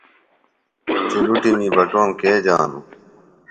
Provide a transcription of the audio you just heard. چلُٹِمیی بٹوم کے جانوۡ؟